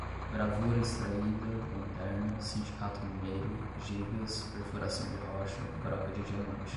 gravura extraída, lanterna, sindicato mineiro, jigas, perfuração de rocha, broca de diamante